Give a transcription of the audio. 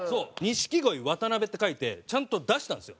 「錦鯉渡辺」って書いてちゃんと出したんですよ。